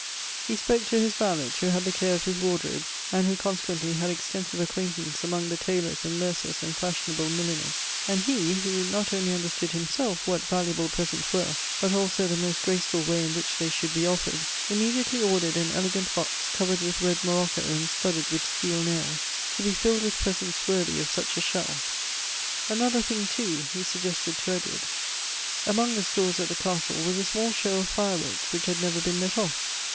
He spoke to his valet, who had the care of his wardrobe, and who consequently had extensive acquaintance among the tailors and mercers and fashionable milliners; and he, who not only under stood himself what valuable presents were, but also the most graceful way in which they should be offered, im mediately ordered an elegant box, covered with red mo I'occo and studded with steel nails, to be filled with presents worthy of such a shell. Another thing, too, he suggested to Edward. Among the stores at the castle was a small show of fireworks which had never been let off.